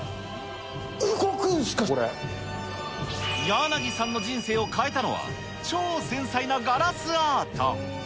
柳さんの人生を変えたのは、超繊細なガラスアート。